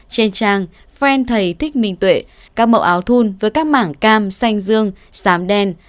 trên trang friend thầy thích minh tuệ các mẫu áo thun với các mảng cam xanh dương xám đen